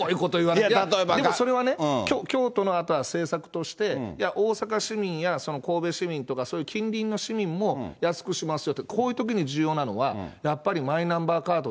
それはね、京都の、あとは政策として、いや、大阪市民や、その神戸市民とかそういう近隣の市民も安くしますよと、こういうときに重要なのは、やっぱりマイナンバーカード。